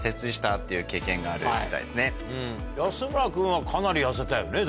安村君はかなり痩せたよね